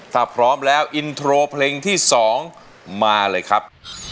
ถ้าพร้อมแล้วอินโทรเพลงที่๒มาเลยครับ